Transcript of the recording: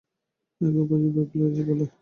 একে উপজিহ্বা বা এপিগ্লটিস বলে।